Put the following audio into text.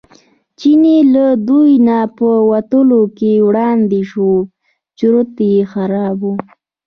چینی له دوی نه په وتلو کې وړاندې شو چورت یې خراب و.